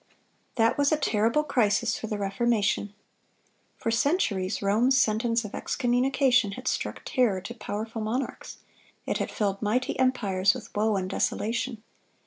That was a terrible crisis for the Reformation. For centuries Rome's sentence of excommunication had struck terror to powerful monarchs; it had filled mighty empires with woe and desolation.